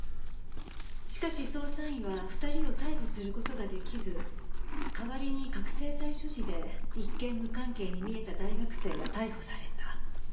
しかし捜査員は２人を逮捕する事ができず代わりに覚醒剤所持で一見無関係に見えた大学生が逮捕された。